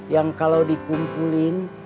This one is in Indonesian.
yang kalau dikumpulin